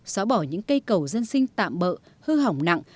xóa bỏ những cây cầu dân sinh tạm bỡ hư hỏng nặng